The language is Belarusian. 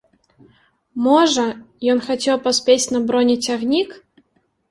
Можа, ён хацеў паспець на бронецягнік?